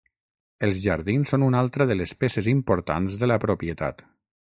Els jardins són una altra de les peces importants de la propietat.